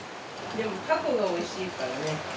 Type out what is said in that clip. タコがおいしいからね。